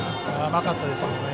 甘かったですね。